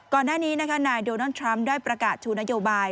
ก่อนหน้านี้นักธุรกิจอย่างโดนัลด์ทรัมป์ได้ประกาศชูนโยบาย